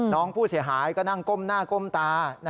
น้องผู้เสียหายก็นั่งก้มหน้าก้มตา